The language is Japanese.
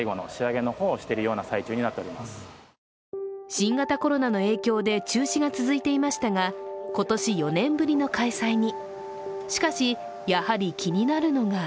新型コロナの影響で中止が続いていましたが今年４年ぶりの開催に。